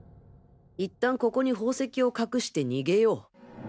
いったんここに宝石を隠して逃げよう。